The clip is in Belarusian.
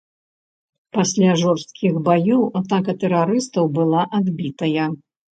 Пасля жорсткіх баёў атака тэрарыстаў была адбітая.